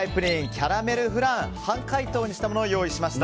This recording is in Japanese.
キャラメルフラン半解凍にしたものを用意しました。